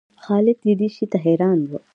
خالد یې دې شي ته حیران و.